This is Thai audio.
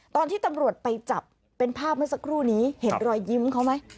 ตอนที่ตำรวจไปจับเป็นภาพเมื่อสักครู่นี้เห็นรอยยิ้มเขาไหม